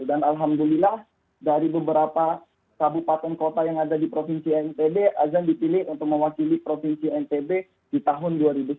alhamdulillah dari beberapa kabupaten kota yang ada di provinsi ntb azan dipilih untuk mewakili provinsi ntb di tahun dua ribu sembilan belas